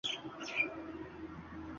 Paxta haqida ham shunday bo'lishi kerak